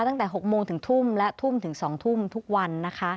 ตั้งแต่๖โมงถึงทุ่มและทุ่มถึง๒ทุ่มทุกวันนะคะ